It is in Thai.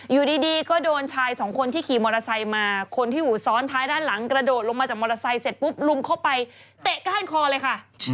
อยู่ดีก็โดนชายสองคนที่ขี่มอเตอร์ไซค์มาคนที่อยู่ซ้อนท้ายด้านหลังกระโดดลงมาจากมอเตอร์ไซค์เสร็จปุ๊บลุมเข้าไปเตะก้านคอเลยค่ะ